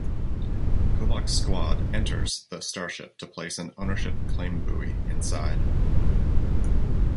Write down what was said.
Kovacs' squad enters the starship to place an ownership claim buoy inside.